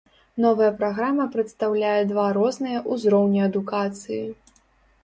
Новая праграма прадстаўляе два розныя ўзроўні адукацыі.